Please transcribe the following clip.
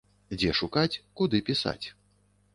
Дзе шукаць, куды пісаць.